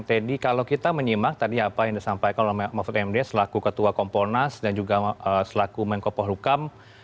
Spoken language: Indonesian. teddy kalau kita menyimak tadi apa yang disampaikan oleh mahfud md selaku ketua komponas dan juga selaku menko polhukam